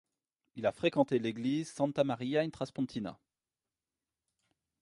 Il a fréquenté l'église Santa Maria in Traspontina.